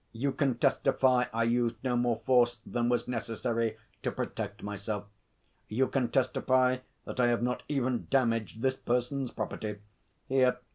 'You can testify I used no more force than was necessary to protect myself. You can testify that I have not even damaged this person's property. (Here!